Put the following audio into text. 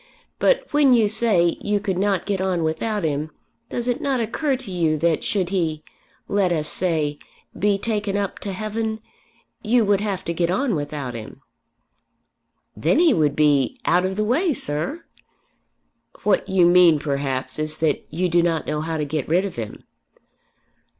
But when you say you could not get on without him, does it not occur to you that should he, let us say be taken up to heaven, you would have to get on without him." "Then he would be, out of the way, sir." "What you mean perhaps is that you do not know how to get rid of him."